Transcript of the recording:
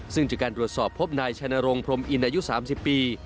ซึ่งจากการรวดสอบพบนายชัยนาโรงพรมอินอายุสามสิบปี